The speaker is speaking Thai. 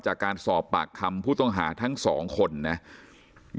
จากการสอบปากคำผู้ต้องหาทั้งสองคนนะครับ